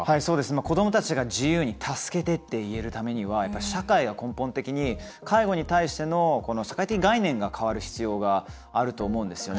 子どもたちが自由に助けてって言えるためには社会が根本的に介護に対しての社会的概念が変わる必要があると思うんですよね。